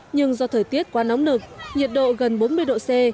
nhưng do thời tiết quá nóng nực nhiệt độ gần bốn mươi độ c